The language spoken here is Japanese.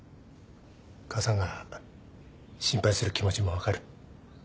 母さんが心配する気持ちも分かる。